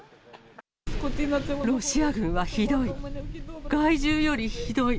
ロシア軍はひどい。